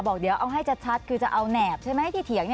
บอกเดี๋ยวเอาให้ชัดคือจะเอาแหนบใช่ไหมที่เถียง